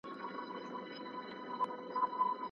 خو هغې تسلیم نه کړه.